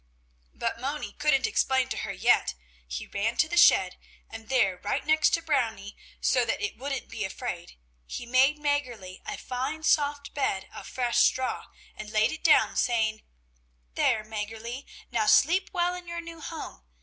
But Moni couldn't explain to her yet; he ran to the shed, and there right next to Brownie, so that it wouldn't be afraid, he made Mäggerli a fine, soft bed of fresh straw, and laid it down, saying: "There, Mäggerli, now sleep well in your new home!